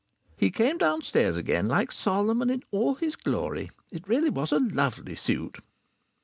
He came downstairs again like Solomon in all his glory. It really was a lovely suit.